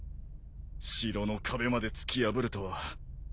城の壁まで突き破るとは。